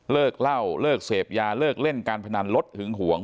เหล้าเลิกเสพยาเลิกเล่นการพนันลดหึงหวง